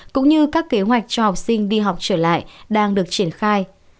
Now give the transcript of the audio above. cũng như các kế hoạch cho học sinh đi học trở lại đang được triển khai